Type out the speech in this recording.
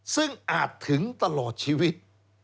ซึ่งอาจถึงตลอดชีวิต